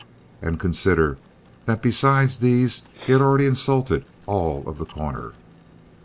And consider, that besides these he had already insulted all of The Corner.